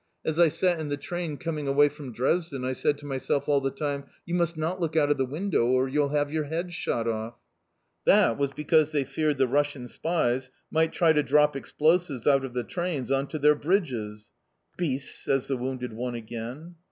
As I sat in the train coming away from Dresden, I said to myself all the time, 'You must not look out of the window, or you'll have your head shot off!' That was because they feared the Russian spies might try to drop explosives out of the trains on to their bridges!" "Beasts!" says the wounded one again.